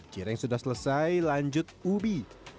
cireng sudah selesai lanjut ubi